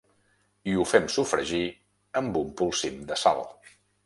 I ho fem sofregir amb un polsim de sal.